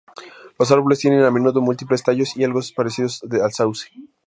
Los árboles tienen a menudo múltiples tallos y algo parecidos al sauce.